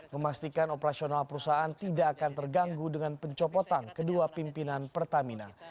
memastikan operasional perusahaan tidak akan terganggu dengan pencopotan kedua pimpinan pertamina